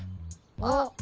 あっ。